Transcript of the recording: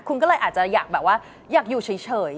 คุณก็เลยอาจจะอยากอยู่เฉย